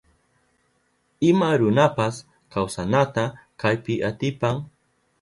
Ima runapas kawsanata kaypi atipan.